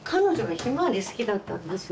ヒマワリ好きだったんですよ。